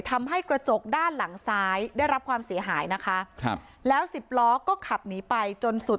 ทำให้กระจกด้านหลังซ้ายได้รับความเสียหายนะคะครับแล้วสิบล้อก็ขับหนีไปจนสุด